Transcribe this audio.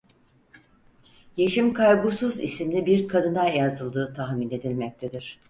Yeşim Kaygusuz isimli bir kadına yazıldığı tahmin edilmektedir.